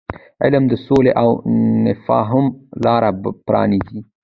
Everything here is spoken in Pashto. علم د سولې او تفاهم لار پرانیزي.